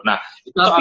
nah itu soal